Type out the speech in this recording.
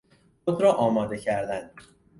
خود را آماده کردن